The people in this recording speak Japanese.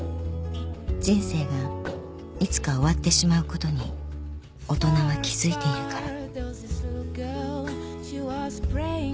［人生がいつか終わってしまうことに大人は気付いているから］